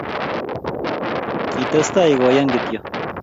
Kitestai koyan kityo